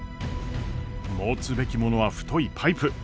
持つべきものは太いパイプ！